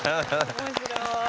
面白い。